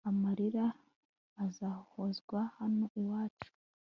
amarira azahozwa hano iwacu